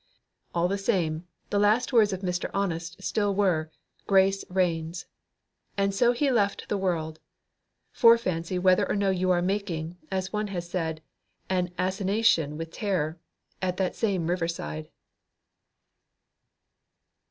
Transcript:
All the same, the last words of Mr. Honest still were, "Grace reigns!" And so he left the world. Fore fancy whether or no you are making, as one has said, "an assignation with terror" at that same river side.